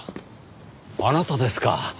あなたですか。